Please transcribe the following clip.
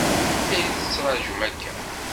Anta i la tettṛaǧum akka?